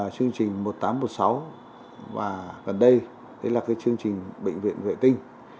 chương trình một nghìn tám trăm một mươi sáu và gần đây là chương trình bệnh viện vệ tinh